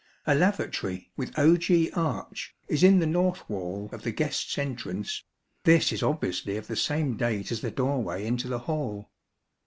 A lavatory, with ogee arch, is in the north wall of the guests' entrance, this is obviously of the same date as the doorway into the hall.